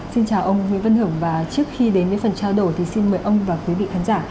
xin chào ông nguyễn văn hưởng và trước khi đến với phần trao đổi thì xin mời ông và quý vị khán giả